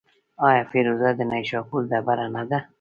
آیا فیروزه د نیشاپور ډبره نه ده؟